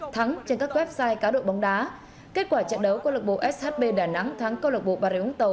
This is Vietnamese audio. thắng trên các website cá đội bóng đá kết quả trận đấu công an tp shb đà nẵng thắng công an tp bà rịa